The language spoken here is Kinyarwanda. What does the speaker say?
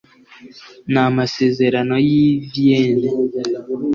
N amasezerano y i vienne